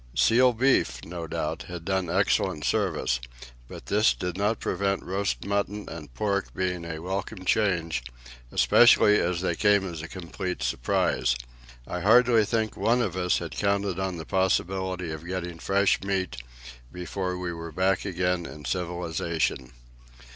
Seal beef, no doubt, had done excellent service, but this did not prevent roast mutton and pork being a welcome change, especially as they came as a complete surprise. I hardly think one of us had counted on the possibility of getting fresh meat before we were back again in civilization.